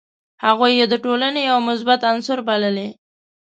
هغوی یې د ټولني یو مثبت عنصر بللي.